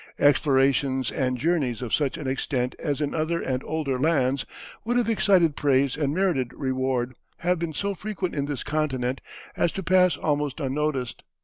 Explorations and journeys of such an extent as in other and older lands would have excited praise and merited reward have been so frequent in this continent as to pass almost unnoticed.